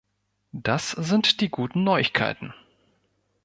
Das sind die guten Neuigkeiten!